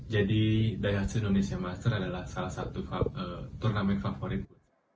jadi daihatsu indonesia masters adalah salah satu turnamen favorit